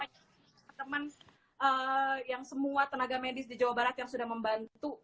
teman teman yang semua tenaga medis di jawa barat yang sudah membantu